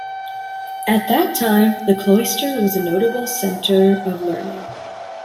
At that time, the cloister was a notable centre of learning.